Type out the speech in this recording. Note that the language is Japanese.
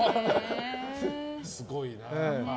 すごいな。